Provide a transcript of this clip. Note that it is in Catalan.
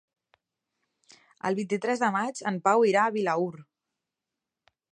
El vint-i-tres de maig en Pau irà a Vilaür.